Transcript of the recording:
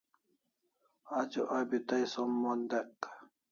Ajo abi tai som mon dek